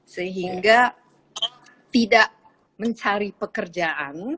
sehingga tidak mencari pekerjaan